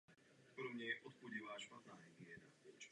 Největší rezervy, které já vidím, jsou v informování občanů.